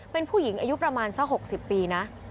เป็นผู้หญิงอายุประมาณสัก๖๐ปีนะ